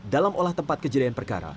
dalam olah tempat kejadian perkara